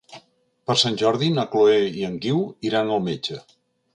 Per Sant Jordi na Chloé i en Guiu iran al metge.